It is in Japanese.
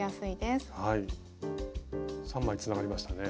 ３枚つながりましたね。